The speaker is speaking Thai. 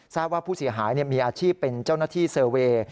ทราบว่าผู้เสียหายมีอาชีพเป็นเจ้าหน้าที่เซอร์เวย์